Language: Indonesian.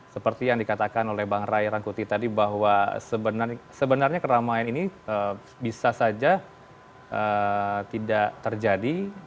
seperti yang dikatakan oleh bang ray rangkuti tadi bahwa sebenarnya keramaian ini bisa saja tidak terjadi